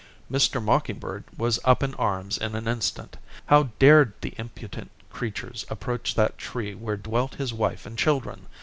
Mr. Mocking Bird was up in arms in an instant. How dared the impudent creatures approach that tree where dwelt his wife and children!